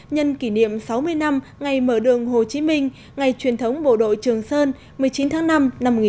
nhân kỷ niệm sáu mươi năm ngày mở đường hồ chí minh ngày truyền thống bộ đội trường sơn một mươi chín tháng năm năm một nghìn chín trăm bốn mươi năm